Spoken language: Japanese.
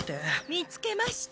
見つけました。